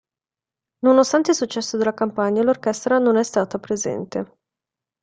Nonostante il successo della campagna l'orchestra non è stata presente.